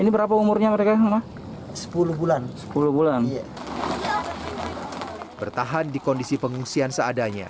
pertahanan di kondisi pengungsian seadanya